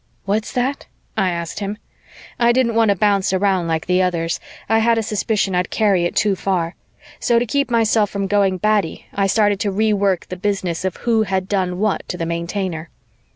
"What's that?" I asked him. I didn't want to bounce around like the others. I had a suspicion I'd carry it too far. So, to keep myself from going batty, I started to rework the business of who had done what to the Maintainer.